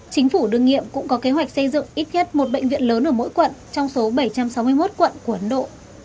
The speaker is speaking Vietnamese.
chính phủ đương nghiệp cũng có kế hoạch xây dựng ít nhất một bệnh viện lớn ở mỗi quận trong số bảy trăm sáu mươi một quận của ấn độ